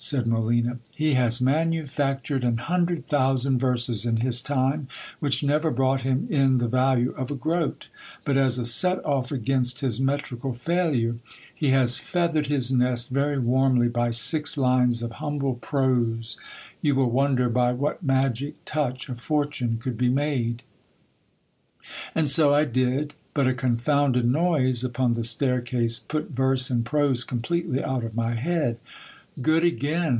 said Molina. He has manufactured an hundred thousand verses in his time, which never brought him in the value of a groat ; but as a set off against his metrical failure, he has feathered his nest very warmly by six lines of humble prose : you will wonder by what magic touch a fortune could be made And so I did ; but a confounded noise upon the staircase put verse and prose completely out of my head. Good again